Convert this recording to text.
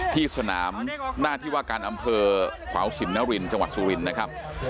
ที่สนามหน้าที่ว่าการอำเภอขวาวสินนรินจังหวัดสุรินทร์นะครับ